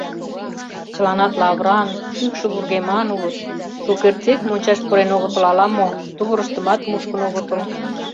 Чыланат лавыран, шӱкшӧ вургеман улыт: шукертсек мончаш пурен огытыл ала-мо, тувырыштымат мушкын огытыл.